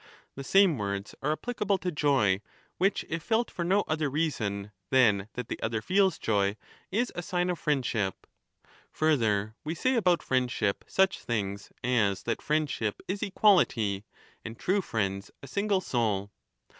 The same words are applicable to joy, which, if felt for no other reason than that the other feels joy, is a sign of friendship. Further, 1240'' we say about friendship such things as that friendship is equality, and true friends a single soul.